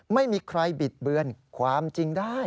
ไม่มีใครบิดเบือนความจริงได้